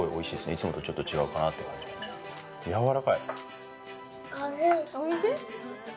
いつもとちょっと違うかなって感じおいしい？